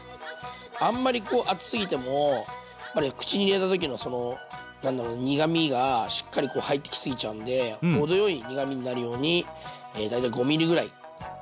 あんまり厚すぎてもやっぱり口に入れた時のその何だろ苦みがしっかり入ってきすぎちゃうんで程よい苦みになるように大体５ｍｍぐらい。